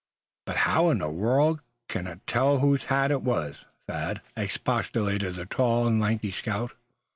"But how in the wide world c'n I tell whose hat it is, Thad?" expostulated the tall and lanky scout.